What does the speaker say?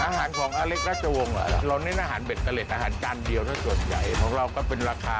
อาหารของอเล็กรัชวงศ์โรนนี้อาหารแบ็ดกะเร็ดอาหารจานเดี่ยวส่วนใหญ่ของเราก็เป็นราคา